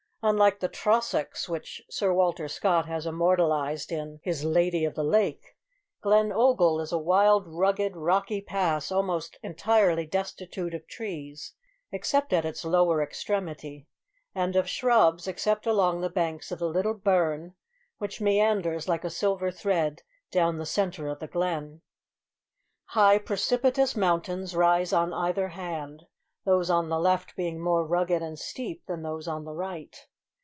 Unlike the Trossachs, which Sir Walter Scott has immortalised in his "Lady of the Lake," Glen Ogle is a wild, rugged, rocky pass, almost entirely destitute of trees, except at its lower extremity; and of shrubs, except along the banks of the little burn which meanders like a silver thread down the centre of the glen. High precipitous mountains rise on either hand those on the left being more rugged and steep than those on the right.